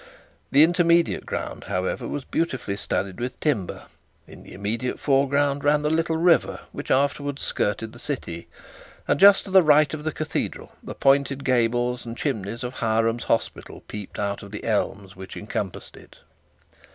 The intermediate ground, however, was beautifully studded with timber. In the immediate foreground ran the little river which afterwards skirted the city; and, just to the right of the cathedral the pointed gables and chimneys of Hiram's Hospital peeped out of the elms which encompass it.